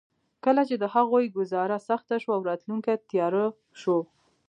کله چې د هغوی ګوزاره سخته شوه او راتلونکې تياره شوه.